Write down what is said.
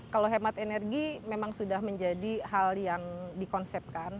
kalau hemat energi memang sudah menjadi hal yang dikonsepkan